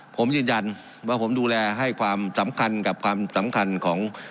ผมยืนยันว่าผมดูแลให้ความสำคัญกับความสำคัญของ